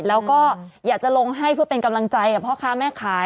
แล้วก็อยากจะลงให้เพื่อเป็นกำลังใจกับพ่อค้าแม่ขาย